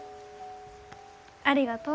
ありがとう。